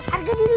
harga diri gue